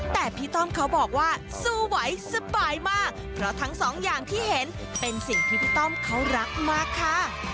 แต่พี่ต้อมเขาบอกว่าสู้ไหวสบายมากเพราะทั้งสองอย่างที่เห็นเป็นสิ่งที่พี่ต้อมเขารักมากค่ะ